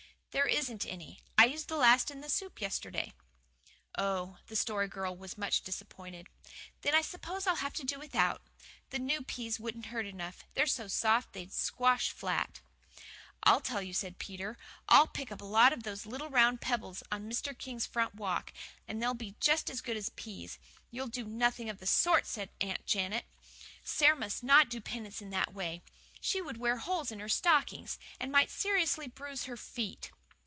"There isn't any; I used the last in the soup yesterday." "Oh!" The Story Girl was much disappointed. "Then I suppose I'll have to do without. The new peas wouldn't hurt enough. They're so soft they'd just squash flat." "I'll tell you," said Peter, "I'll pick up a lot of those little round pebbles on Mr. King's front walk. They'll be just as good as peas." "You'll do nothing of the sort," said Aunt Janet. "Sara must not do penance in that way. She would wear holes in her stockings, and might seriously bruise her feet."